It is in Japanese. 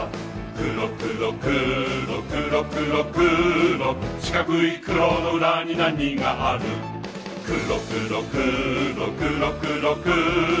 くろくろくろくろくろくろしかくいくろのうらになにがあるくろくろくろくろくろくろ